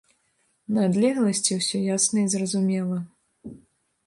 На адлегласці ўсё ясна і зразумела.